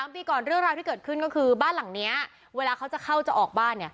ปีก่อนเรื่องราวที่เกิดขึ้นก็คือบ้านหลังนี้เวลาเขาจะเข้าจะออกบ้าน